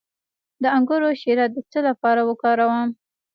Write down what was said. د انګور شیره د څه لپاره وکاروم؟